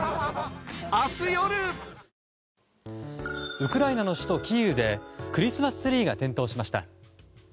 ウクライナの首都キーウでクリスマスツリーが点灯しました。